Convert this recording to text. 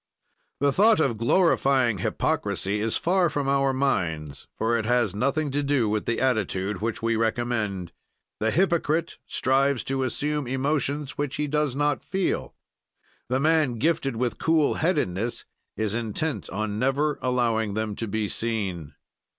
"The thought of glorifying hypocrisy is far from our minds, for it has nothing to do with the attitude which we recommend. "The hypocrite strives to assume emotions which he does not feel. "The man gifted with cool headedness is intent on never allowing them to be seen.